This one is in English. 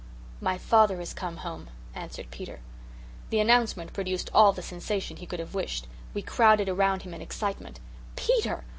"My father has come home," answered Peter. The announcement produced all the sensation he could have wished. We crowded around him in excitement. "Peter!